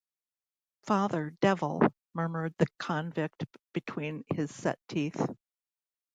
“Father — devil!” murmured the convict between his set teeth.